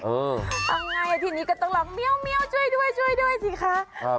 เอาง่ายทีนี้ก็ต้องลองเมี๊ยวช่วยด้วยสิคะ